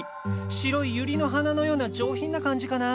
白いユリの花のような上品な感じかなあ。